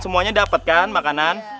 semuanya dapatkan makanan